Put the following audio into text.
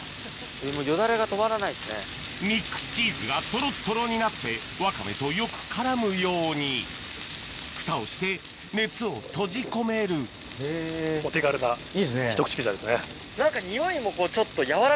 ミックスチーズがトロットロになってワカメとよく絡むようにふたをして熱を閉じ込めるひと口ピザですね。